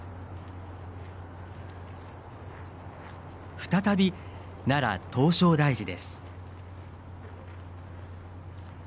再び奈良・唐招提寺です。